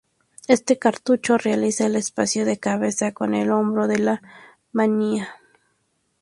Este cartucho realiza el espacio de cabeza con el hombro de la vaina.